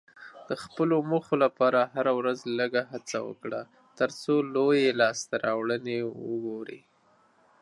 د خپلو موخو لپاره هره ورځ لږه هڅه وکړه، ترڅو لویې لاسته راوړنې وګورې.